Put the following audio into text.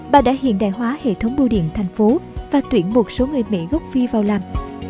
bà đã hiện đại hóa hệ thống bưu điện thành phố và tuyển một số người mỹ gốc phi vào làm